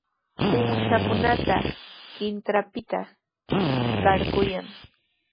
Uushakunata qintranpita qarquykan.